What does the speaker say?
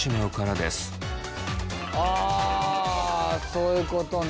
そういうことね。